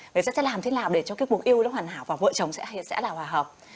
người ta sẽ làm thế nào để cho cái cuộc yêu nó hoàn hảo và vợ chồng sẽ là hòa hợp